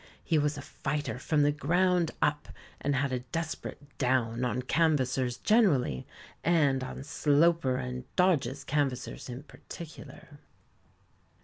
He was a fighter from the ground up, and had a desperate "down" on canvassers generally, and on Sloper and Dodge's canvassers in particular.